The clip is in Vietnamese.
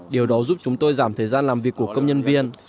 điều đó giúp chúng tôi giảm thời gian làm việc của công nhân viên